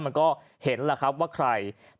มันก็เห็นแหละครับว่าใคร